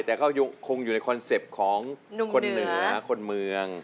แต่ก็คงอยู่ในคอนเซ็ปต์ของคนเหนือคนเมือง